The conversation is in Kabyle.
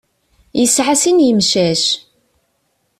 Yesεa sin imcac.